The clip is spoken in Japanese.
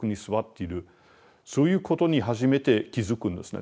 そういうことに初めて気付くんですね。